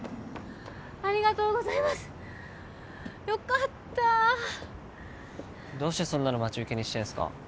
ありがとうございますよかったどうしてそんなの待ち受けにしてんすか？